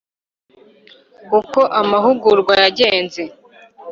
uko amahugurwa yagenze”